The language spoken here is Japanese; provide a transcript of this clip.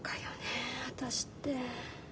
私って。